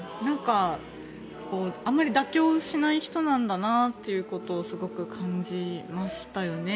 あまり妥協しない人なんだなということをすごく感じましたよね。